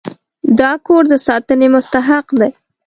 دا کور د ساتنې مستحق دی.